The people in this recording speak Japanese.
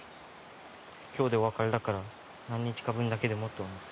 今日でお別れだから何日か分だけでもと思って。